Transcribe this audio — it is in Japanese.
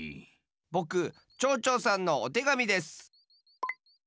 ぼくちょうちょうさんのおてがみです。